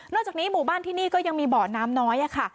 จากนี้หมู่บ้านที่นี่ก็ยังมีเบาะน้ำน้อยค่ะ